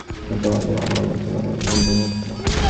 তখন তোমাদের ও আমার মধ্যে কোন ব্যবধান থাকিবে না।